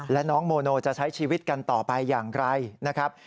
และน้องโมโนจะใช้ชีวิตกันต่อไปอย่างไรนะครับ